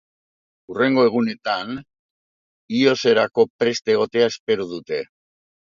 Hurrengo egunetan ios-erako prest egotea espero dute.